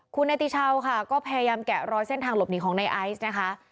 คุณเนติชาวค่ะก็พยายามแกะรอยเส้นทางหลบหนีของในไอซ์นะคะ